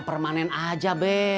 permanen aja be